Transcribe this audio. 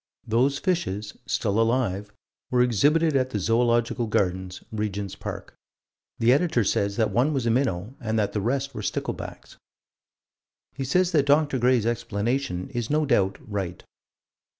Those fishes still alive were exhibited at the Zoological Gardens, Regent's Park. The Editor says that one was a minnow and that the rest were sticklebacks. He says that Dr. Gray's explanation is no doubt right.